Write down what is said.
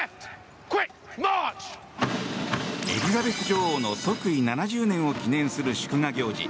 エリザベス女王の即位７０年を記念する祝賀行事